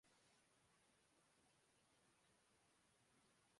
دوسرے الفاظ میں ہمیں ایک نئے بیانیے کی ضرورت تھی۔